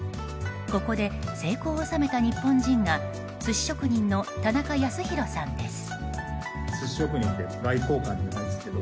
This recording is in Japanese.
ここで成功を収めた日本人が寿司職人の田中康博さんです。